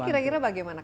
ini kira kira bagaimana